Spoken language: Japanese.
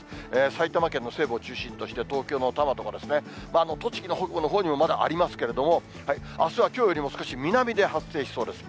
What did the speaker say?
埼玉県の西部を中心として、東京の多摩とか、栃木の北部のほうにもまだありますけれども、あすはきょうよりも少し南で発生しそうです。